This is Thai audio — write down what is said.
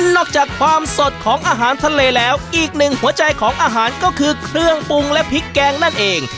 จากความสดของอาหารทะเลแล้วอีกหนึ่งหัวใจของอาหารก็คือเครื่องปรุงและพริกแกงนั่นเอง